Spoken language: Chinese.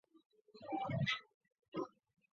本列表记录梁翘柏的所创作的音乐作品